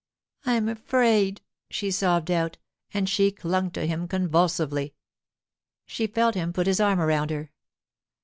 'I'm afraid,' she sobbed out, and she clung to him convulsively. She felt him put his arm around her.